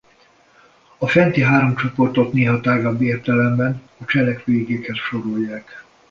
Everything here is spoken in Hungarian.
A fenti három csoportot néha tágabb értelemben a cselekvő igékhez sorolják.